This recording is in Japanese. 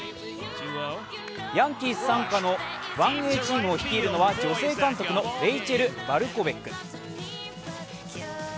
ヤンキース傘下の１Ａチームを率いるのは女性監督のレイチェル・バルコベック。